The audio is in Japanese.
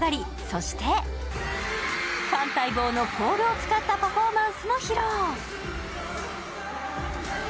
そしてファン待望のポールを使ったパフォーマンスも披露。